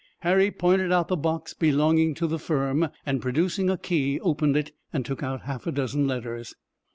Harry pointed out the box belonging to the firm, and producing a key opened it, and took out half a dozen letters.